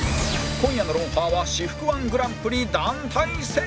今夜の『ロンハー』は私服 −１ グランプリ団体戦